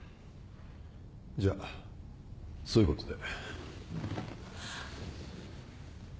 じゃあそういうことで。